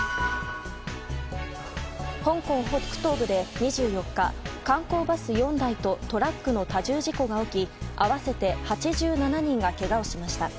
香港北東部で、２４日観光バス４台とトラックの多重事故が起き合わせて８７人がけがをしました。